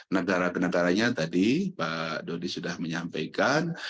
negara ke negaranya tadi pak dodi sudah menyampaikan